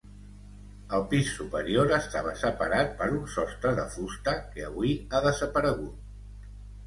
El pis superior estava separat per un sostre de fusta, que avui ha desaparegut.